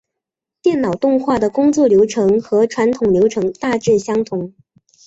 电脑动画的工作流程和传统流程大致相同。